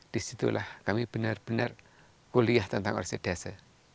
di situlah kami benar benar kuliah tentang orsidase